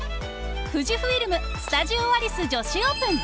富士フイルム・スタジオアリス女子オープン。